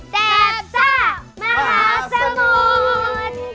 แจบซ่ามหาสมุน